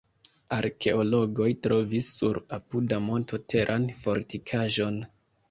Arkeologoj trovis sur apuda monto teran fortikaĵon.